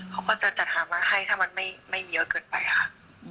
เขาก็จะจัดหามาให้ถ้ามันไม่เยอะเกินไปค่ะ